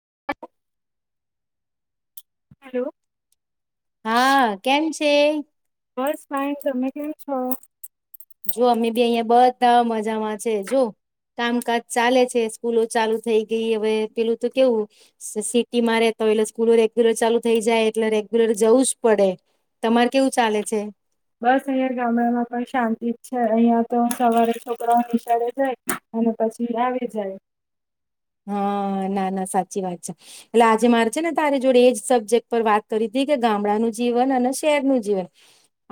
[inaudible] Hello. હા કેમ છે? બસ ફાઈન. તમે કેમ છો? જો અમે બી અહિયાં બધા મજામાં છે. જો કામકાજ ચાલે છે. સ્કૂલો ચાલુ થઈ ગઈ, હવે પેલું તો કેવું સી સિટીમાં રે તો એલે સ્કૂલો રેગ્યુલર ચાલુ થઈ જાય એટલે રેગ્યુલર જવું જ પડે. તમારે કેવું ચાલે છે? બસ અહીયા ગામડામાં પણ શાંતિ જ છે. અહિયાં તો સવારે છોકરાઓ નિશાળે જાય અને પછી આવી જાય. હા ના ના સાચી વાત છે. એટલે આજે મારે છે ને તારે જોડે એજ સબ્જેક્ટ પર વાત કરીવી તી, કે ગામડાનું જીવન અને શહેરનું જીવન.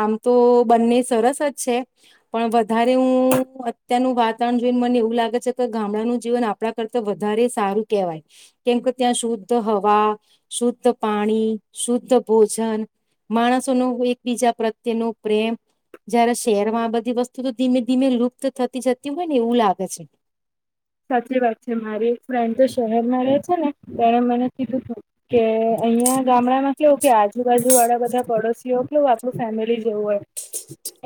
આમ તો બંને સરસ જ છે. પણ વધારે હું અત્યારનું વાતાવરણ જોઈને મને એવું લાગે છે, કે ગામડાનું જીવન આપણા કરત તા વધારે સારું કેહેવાય. કેમકે ત્યાં શુદ્ધ હવા, શુદ્ધ પાણી, શુદ્ધ ભોજન, માણસો ન એકબીજા પ્રત્યે નો પ્રેમ. જ્યારે શહેરમાં આ બધી વસ્તુ તો ધીમે ધીમે લુપ્ત થતી જતી હોય ને એવું લાગે છે. સાચી વાત છે. મારી એક ફ્રેન્ડ તો શહેરમાં રહે છે ને, એણે મને કીધું તું કે અહીંયા ગામડામાં કેવું કે આજુબાજુ વાળા બધા પડોશીઓ કેવું આપણું ફેમિલી જેવું હોય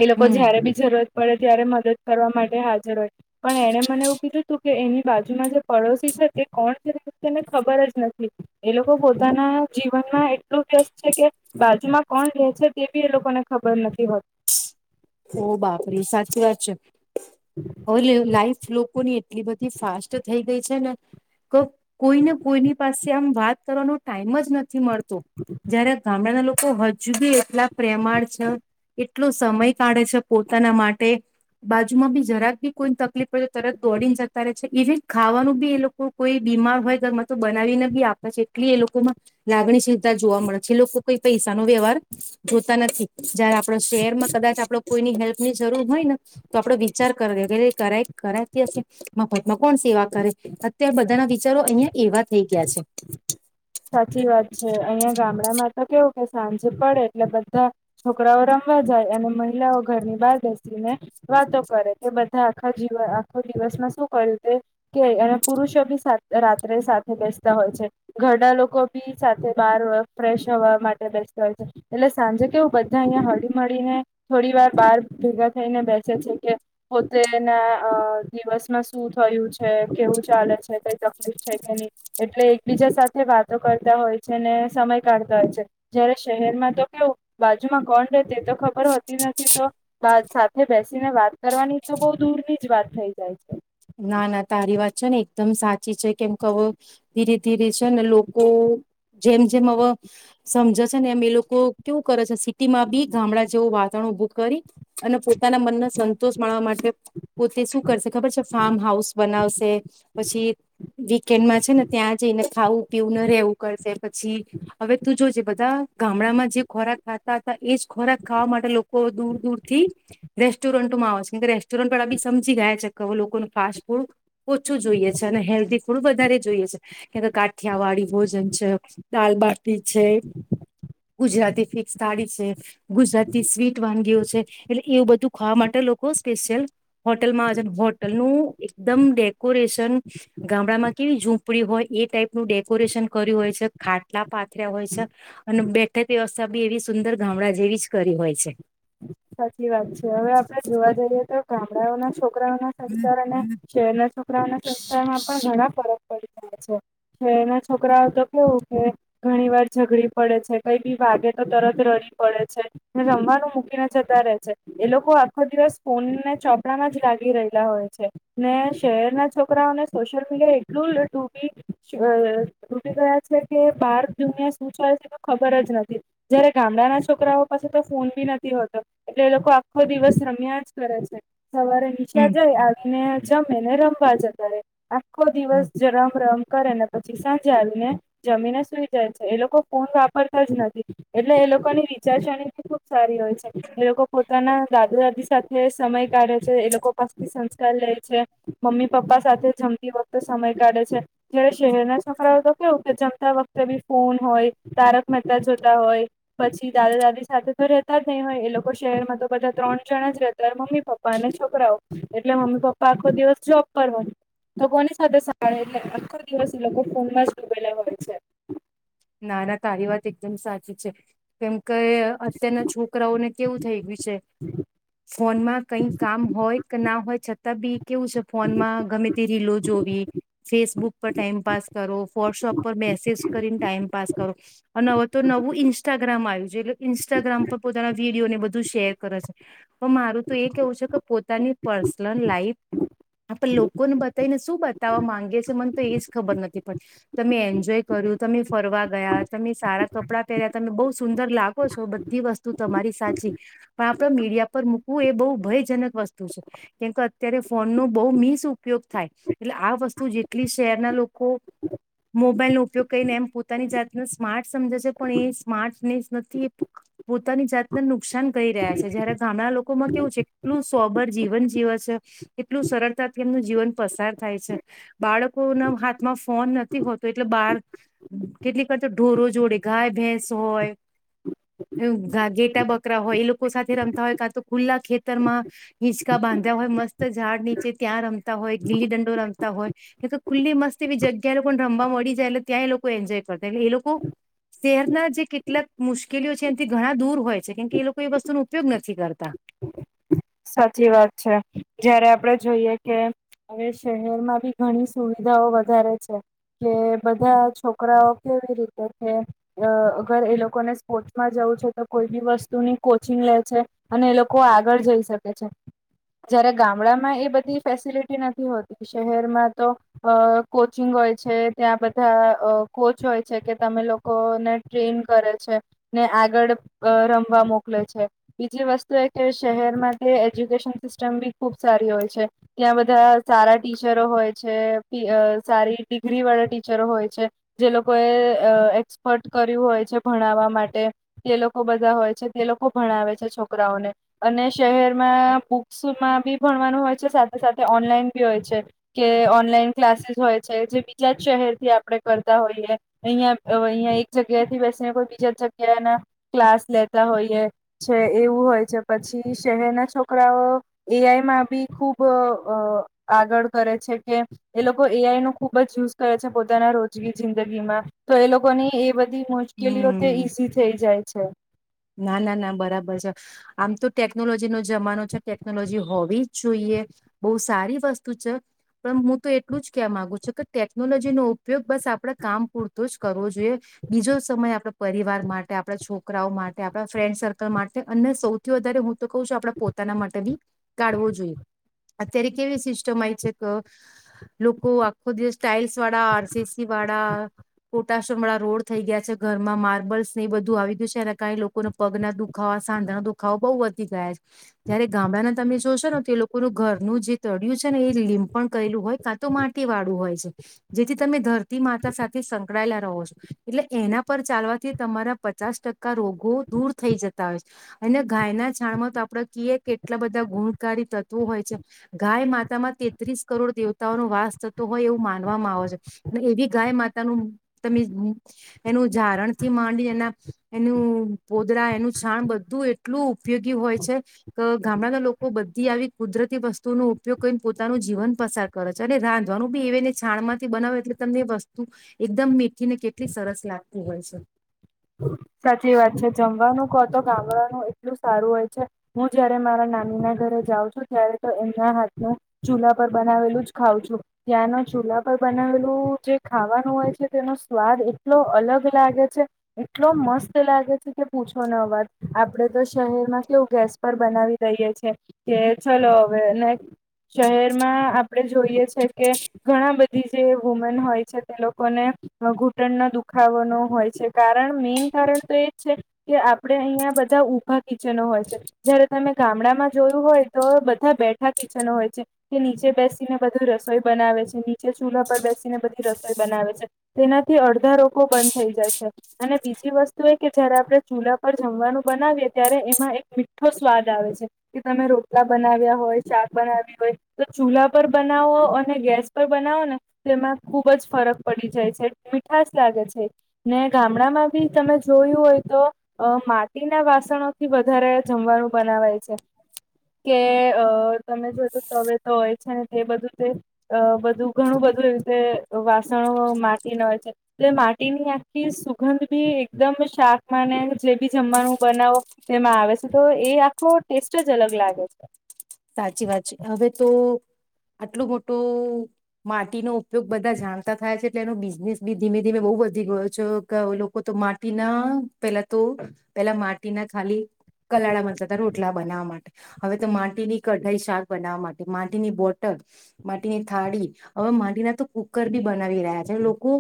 એ લોકો હમ જયારે બી જરૂરત પડે ત્યારે મદદ કરવા માટે હાજર હોય. પણ એણે મને એવું કીધું ધુ કે એની બાજુમાં જે પડોશી છે, તે કોણ છે તેને ખબર જ નથી. એ લોકો પોતાના જીવનમાં એટલું વ્યસ્ત છે. કે બાજુમાં કોણ રે છે તે બી એ લોકોને ખબર નથી હોત ઓ બાપરી સાચી વાત છ. હ લીવ લાઈફ લોકોની એટલી બધી ફાસ્ટ થઇ ગઈ છે ને કોક કોઈને કોઈની પાસે આમ વાત કરવાનો ટાઈઇમ જ નથી મળ તો. જયારે ગામડાના લોક કો હજુ બી એટલા પ્રેમાળ છે. એટલુ સમય કાઢે છે. પોતાના માટે બાજુમાં બી જરાક બી કોઈને તકલીફ પડ તરત દોડીને જતા રહે છે. ઇવી ખાવાનું બી એ લોકો કોઈ બીમાર હોય ઘરમાં તો બનાવીને બી આપે છે. એટલી એ લોકોમાં લાગણીચિંતા જોવા મળે છે. એ લોકો કોઈ પૈસા ન વ્યવહાર જોતા નથી. જ્યારે આ શેરમા કદાચ આપ કોઈની હેલ્પ ની જરૂર હોય ને, તો આપડે વિચાર કરી કરાય કરાય કે પછી મફતમાં કોણ સેવા કરે. અત્યારે બધાના વિચારો અહિયાં એવા થઈ ગયા છે. અહિયાંયા ગામડામાં તો કેવું કે સાંજ પડે એટલે બધા છોકરાઓ રમવા જાય. અને મહિલાઓ ઘરની બહાર બેસીને વાતો કરે. કે બધા આખા જીવ આખો દિવસમાં શું કર્યું તે કે અને પુરુષો બી સા રાત્રે સાથે બેસતા હોય છે. ડા લોકો બી સાથે બાર અ ફ્રેશ હવા માટે બેસતા હોય છે. એટલે સાંજે કેવું બધા અહિયા હળીમળીને થોડી વાર બહાર ભેગા થઈને બેસે છે કે. પોત્રેના દિવસમાં શું થયું છે, કેવું ચાલે છે, કઈ તકલીફ છે કે નહી. એટલે એકબીજા સાથ થે વાતો કરતા હોય છે. ને સમય કાઢતા હોય છે. જયારે શહેરમાં તો કેવું, બાજુમાં કોણ રે તે તો ખબર હોતી નથી. તો બા સાથે બેસીને વાત કરવાની તો બહુ દૂર ની જ વાત થઈ જાય છે. ના ના તારી વાત છે ને એકદમ સાચી છે. કેમ કહુ ધીરી ધીરી છે ને લોકો જેમ જેમ હવ સમજે છે ને, એમ એ લોકો કેવું કરે છે, સી તેમાં બી ગામડા જેવો વાત ઉભું કરી અને પોતાના મનને સંતોષ માણવા માટે પોતે શું કરશે ખબર છે ફાર્મ હાઉસ બનાવશે પછી વીકેન્ડમાં છે ને ત્યાં જઈને ખાવું પીવું ને રહેવું કરશે પછી હવે તું જોજે બધા ગામડામાં જે ખોરાક ખાતા હતા એજ ખોરાક ખાવા માટે લોકો દૂર દૂર થી રેસ્ટોરન્ટમાં આવે છે કેમ રેસ્ટોરન્ટ પર બી સમજી ગયા છે લોકો કો ફાસ્ટ ફૂડ ઓછું જોઈએ છે અને હેલ્ધી થોડું વધારે જોઈએ છે કેા થિયાવાડીી ભોજન છે લાલબાર પીછે ગુજરાતી ફિક્સ થાળી છે ગુજરાતી સ્વીટ વાનગીઓ છે એટલે એવું બધું ખાવા માટે લોકો સ્પેશિયલ હોટેલમાંજ નું એકદમે રેશન ગામડામાં કેવી ડી હોય એ ટાઈપનું ડેકોરેશન કર્યું હોય છે ખાટલા પા હોય છે અને બે વ્યવસ્થા બી એવી સુંદર ગામડા જેવી જ કરી હોય છે સાચી વાત છે હવે આપડે જોવા જઈએ તો ગામડાઓના છોકરાઓ ના સંસ્કાર અને હમ શહેર છોકરાઓના શિકષમાં પણ ઘણા ફરક પડી જાય છે છે એના છોકરાઓ તો કેવું કે ઘણી વાર ઝઘડી પડે છે કઈ બી વાગે તો તરત રરી પડે છે રમવાનું મૂકી જતા રે છે એ લોકો આખો દિવસ ફોનને ચોપડામાં જ લાગી રયલા હોય છે ને શહેરના છોકરાઓને સોશિયલ મીડિયા એટલું ડૂબી અ ડૂબી ગયા છે કે બાર દુનિયા શું થાય છે તો ખબર જ નથી જયારે ગામડાના છોકરાઓ પાસે તો ફોન બી નથી હતો એટલે એ લોકો આખો દિવસ રમ્યા જ કરે છે સવારે નિશાળ હમ જાય આવીને જમે ને રમવા જતારે આખો દિવસ જે રમ રમ કરેને પછી સાંજે આવીને જમીને સુઈ જાય છે એ લોકો ફોન વાપરતા જ નથી એટલે એ લોકોની વિચારસરણી બી ખુબ સારી હોય છે છે એ લોકો પોતાના દાદા દાદી સાથે સમય કાઢે છે એ લોકો પાસેથી સંસ્કાર લેય છે મમ્મી પપ્પા સાથે જમતી વખતે સમય કાઢે છે જયારે શહેરના છોકરાઓ તો કેવું કે જમતા વખતે બી ફોન હોય તારક મહેતા જોતા હોય પછી દાદા દાદી સાથે તો રહેતા જ નહી હોય એ લોકો શહેરમાં તો બધા ત્રણ જણા જ રહેતા મમ્મી પપ્પા અને છોકરાઓ એટલે મમ્મી પપ્પા આખો દિવસ જોબ પર હોય તો કોની સાથે સાળ એટલે આખો દિવસ એ લોકો ફોનમાં જ ડૂબેલા હોય છે નાના તારી વાત એકદમ સાચી છે કેમ કે અત્યારના છોકરાઓને કેવું થઈ ગયું છે ફોનમાં કઈ કામ હોય કે ના હોય છતાં બી કેવું છે ફોનમાં ગમે રીલો જોવી ફેસબુક પર ટાઈમપસ કરો વોટ્સઅપ પર મેસેજ કરીને ટાઈમ પાસ કરો અને હવ તો નવું ઇન્સ્ટાગ્રામ આવ્યું છે ઇન્સ્ટાગ્રામ પર પોતાના વિડીયો ને બધું શેર કરે છે પણ મારું તો એ કેવું છે કે પોતાની પર્સનલ લાઈફ આપ લોકોને બતાવીને શું બતાવવા માંગીએ છે મને તો એજ ખબર નથી પડતી તમે એન્જોય કર્યું તમે ફરવા ગયા તમે સારા કપડાં પહેર્યા તમે બહુ સુંદર લાગો છો બધી વસ્તુ તમારી સાચી પણ આપડ મીડિયા પર મૂકવું એ બહુ ભયજનક વસ્તુ છે કેમકે અત્યારે ફોન નો બહુ મિસ ઉપયોગ થાય એટલે આ વસ્તુ જેટલી શહેરના લોકો મોબાઈલ નો ઉપયોગ કરીને એમ પોતાની જાતને સ્માર્ટ સમજે છે પણ એ સ્માર્ટનેસ નથી પોતાની જાતને નું નુકસાન કરી રહ્યા છે જયારે ગામડાના લોકોમાં કેવું છે કેટલું સોબર જીવન જીવ સ એટલું સરળતાથી એમનું જીવન પસાર થાય છ બાળકોના હાથમાં ફોન નથી હોતો એટલે બાર કેટલીક વાર તો ઢોરો જોડે ગાય ભેંસ હોય એવુ ગેટા બકરા હોય એ લોકો સાથે રમતા હોય કાં તો ખુલ્લા ખેતર માં હિંચકા બાંધ્યા હોય મસ્ત ઝાડ નીચે ત્યાં રમતા હોય ગીલી દંડો રમતા હોય એ તો ખુલ્લી મસ્ત એવી જગ્યા લોકો રમવા મળી જાય એટલે ત્યાં એ લોકો કો એન્જોય કરતા હોય એટલે એ લોકો શહેરના જે કેટલાક મુશ્કેલીઓ છે એનથી ઘણા દૂર હોય છે કેમકે એ લોકો એ વસ્તુનો ઉપયોગ નથી કરતા સાચી વાત છે જયારે આપડે જોઈએ કે હવે શહેરમાં બી ઘણી સુવિધાઓ વધારે છે કે બધા છોકરાઓ કેવી રીતે કે અગર એ લોકોને સ્પોર્ટ્સમાં જવું છે તો કોઈ બી વસ્તુની કોચિંગ લે છે અને એ લોકો આગળ જઈ શ કે છે જયારે ગામડામાં એ બધી ફેસિલિટી નથી હોતી શહેરમાં તો અ કોચિંગ હોય છે ત્યાં બધા અ કોચ હોય છે કે તમે લોકોને ટ્રેન કરે છે ને આગળ અ રમવા મોકલે છે બીજી વસ્તુ એ કે શહેરમાં કે એજ્યુકેશન સિસ્ટમ બી ખૂબ સારી હોય છે ત્યાં બધા સારા ટીચરો હોય છે સારી ડિગ્રી વાળા ટીચરો હોય છે જે લોકોએ અ એક્સપર્ટ કર્યું હોય છે ભણાવવા માટે તે લોકો બધા હોય છે તે લોકો ભણાવે છે છોકરાઓને અને શહેરમાં બુક્સમાં બી ભણવાનું હોય છે સાથે સાથે ઓનલાઈન બી હોય છે કે ઓનલાઈન ક્લાસીસ હોય છે જે બીજા જ શહેરથી આપડે કરતા હોઈએ અહીંયા અહીંયા એક જગ્યાથી બેસીને કોઈ બીજા જ જગ્યાના ક્લાસ લેતા હોઈએ છે એવું હોય છે પછી શહેરના છોકરાઓ એઆઈ માં બી ખુબ અ અ આગળ કરે છે કે એ લોકો એઆઈ નો ખુબ જ યુઝ કરે છે પોતાના રોજગી જિંદગીમાં તો એ લોકોની એ બધ બધી મુશ્કેલીઓ તે હમ ઈઝી થઈ જાય છે ના ના ના બરાબર છે આમ તો ટેકનોલોજી નો જમાનો છે ટેકનોલોજી હોવી જ જોઈએ બહુ સારી વસ્તુ છ પણ હું તો એટલું જ કેવા માગુ છું કે ટેકનોલોજી નો ઉપયોગ બસ આપડા કામ પૂરતો જ કરવો જો જોઈએ બીજો સમય આપડા પરિવાર માટે આપણા છોક રાઓ માટે તટે આપણા ફ્રેન્ડ સર્કલ માટે અને સૌથી વધારે હું તો કહું છું આપણેે પોતાના માટે બી કાઢવો જોઈએ અત્યારે કેવી સિસ્ટમ આય છે ક લોકો આખો દિવસ સ્ટાઈલ્સ વાડા આરસીસી વાડા કોટશવર વાળા રોડ થઈ ગયા છે ઘરમાં માર્બલ્સ ને બધું આવી ગયું છે એના કારણે લો કોને પગ ના દુખાવા સાંધાના દુખાવો બહુ વધી ગયા છે જયારે ગામડાના તમે જોશો ને તે લોકોનું ઘરનું જે તળયું છે ને એ લીમપણ કરેલું હોય કાં તો માટી વાળું હોય છે જેથી તમે ધરતી માતા સાથે સંકળાયેલા રહો છો એટલે એના પર ચાલવાથી તમારા પચાસ ટકા રોગો દૂર થઈ જતા હોય છે અને ગાયના છાણમાં તો આપણે કએ કેટલા બધા ગુણકારી તત્વો હોય છે ગાય માતામાં તેત્રીસ કરોડ દેવતાઓનો વાસ થતો હોય એવું માનવામાં આવ છે એવી ગાય માતાનું મ તમે મ એનું જારણથી માંડી એના એનું એનું પોદરા એનું છાણ બધું એટલું ઉપયોગી હોય છે ક ગામડાના લોકો બધી આવી કુદરતી વસ્તુઓનો ઉપયોગ કરીન પોતાનું જીવન પસાર કરે છ અને રાંધવાનું બીને છાણ માંથી બનાવે એટલે તમને વસ્તુ એકદમ મીઠીને કેટલી સરસ લાગતી હોય છ સાચી વાત છે જમવાનું કો તો ગામડાનું એટલું સારું હોય છે હું જયારે મારા નાની ના ઘરે જાઉ છું ત્યારે તો એમના હાથ નું ચૂલા પર બનાવેલું જ ખાઉં છું ત્યાંનો ચૂલા પર બનાવેલું જે ખાવાનું હોય છે તેનો સ્વાદ એટલો અલગ લાગે છે એ મસ્ત લાગે છે કે પૂછો ન વાત આપણે તો શહેરમાં કેવું ગેસ પર બનાવી દઈએ છે કે ચલો હવે અનેને શહેરમાં આપણેે જોઈએ છે કે ઘણા બધી જે વુમેન હોય છે તે લોકોને ઘૂંટણનો દુખાવો ન હોય છે મેન કારણ તો એ જ છે કે આપણે અહિયાં બધા ઉઊભા કિચનો હોય છે જયારે તમે ગામડામાં જોયું હોય તો બધા બેઠા કિચનો હોય છે કે નીચે બેસીને બધી રસોઈ બનાવે છે નીચે ચૂલાા પર બેસીને બધી રસોઈ બનાવે છે તેનાથી અડધા રોગ બંધ થઈ જાય છે અને બીજી વસ્તુ એ કે જયારે આપડણે ચૂલા પર જમવાનું બનાવીએ ત્યારે એમાં એક મીઠો સ્વાદ આવે છે કે તમે રોટલા બનાવ્યા હોય શાક બનાવી હોય તો ચૂલા પર બનાવો અને ગેસ પર બનાવો ને તો એમાં ખુબ જ ફરક પડી જાય છે મીઠશ લાગે છે ને ગામડામાં બી તમે જોયું હોય તો માટીના વાસણોથી વધારે જમવાનું બનાવાય છે કે અ તમે જોતું તવે તો હોય છે ને એ બધું તે અ બધું ઘણું બધું એ રીતે વાસણો માટીને હોય છે એ માટીની આખી સગંધ બી એકદમ શાકમાંને જે બી જમવાનું બનાવો તેમાં આવે છે તો એ આખો ટેસ્ટ જ અલગ લાગે છે સાચી વાત છે હવે તો આટલું મોટો માટીનોો ઉપયોગ બધા જાણતા થાય છે એટલે એનો બિઝનેસ બી ધીમે ધીમે બહુ વધી ગયો છે કે લોકો તો માટીના પેલા તો પેલા માટીના ખાલી કલાળા બનતાતા રોટલા બનાવવા માટે હવે તો માટીની કઢાઈ શાક બનાવવા માટે માટીની બોટલ માટીની થાળી હવે માટીના તો કુકર બી બનાવી રહ્યા છે લોકો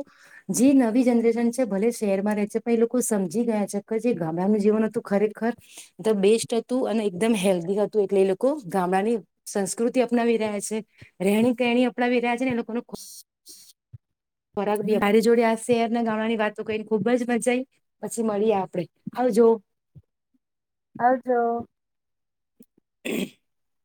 જે નવી જનરેશન છે ભલે શહેરમાં રહે છે પણ એ લોકો સમજી ગયા છે કે જે ગામડાનું જીવન હતું ખરેખર ધ બેસ્ટ હતું અને એકદમ હેલ્ધી હતું એટલે એ લોકો ગામડાની સંસ્કૃતિ અપનાવી રહ્યા છે રહેણી કેણી અપનાવી રહ્યા છેને લોકો કોક ોરાક મારી જોડે આ શહેરના ગામણાની વાતો કરીને ખુબ જ મજા આવી પછી મળીએ આપડે આવ જો હજો [inaudible]